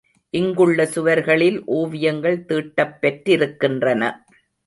இங்குள்ள சுவர்களில் ஓவியங்கள் தீட்டப் பெற்றிருக்கின்றன.